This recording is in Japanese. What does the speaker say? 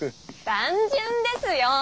単純ですよー。